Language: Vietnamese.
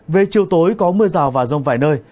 về chiều tối có mưa rào và rông vài nơi